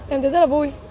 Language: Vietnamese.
em thấy rất là vui